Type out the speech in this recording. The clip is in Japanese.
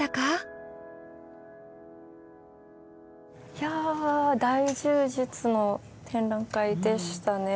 いや大充実の展覧会でしたね。